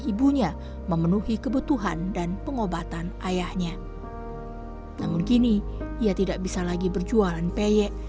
ibunya memenuhi kebutuhan dan pengobatan ayahnya namun kini ia tidak bisa lagi berjualan peyek